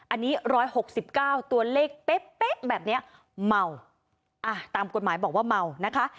อันนี้๑๖๙ตัวเลขเป๊ะแบบเนี้ยเมาอ่ะตามกฎหมายบอกว่าเมานะคะ